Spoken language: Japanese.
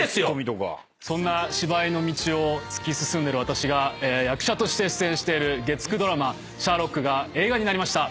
そんな芝居の道を突き進んでる私が役者として出演している月９ドラマ『シャーロック』が映画になりました。